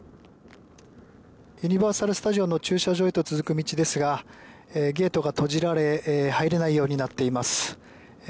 ユニバーサル・スタジオの駐車場へと続く道ですがゲートが閉じられ入れないようになっています。